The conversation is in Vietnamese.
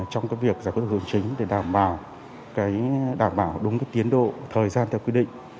trong việc giải quyết tổ chức đoàn chính để đảm bảo đúng tiến độ thời gian theo quy định